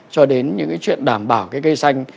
cho đến những chuyện đảm bảo cây xanh